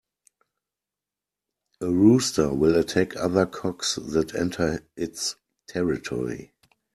A rooster will attack other cocks that enter its territory.